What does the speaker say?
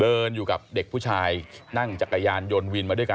เดินอยู่กับเด็กผู้ชายนั่งจักรยานยนต์วินมาด้วยกัน